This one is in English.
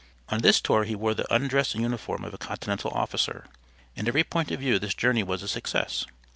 On this tour he wore the undress uniform of a continental officer. In every point of view this journey was a success.